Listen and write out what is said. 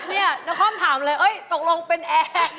นี่นครถามเลยตกลงเป็นแอร์